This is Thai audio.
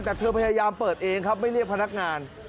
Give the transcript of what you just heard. แต่เธอพยายามเปิดเองครับไม่เรียกพนักงาน